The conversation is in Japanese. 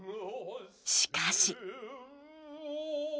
しかし。